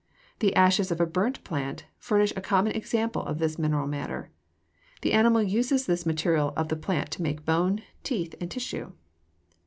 The ashes of a burnt plant furnish a common example of this mineral matter. The animal uses this material of the plant to make bone, teeth, and tissue.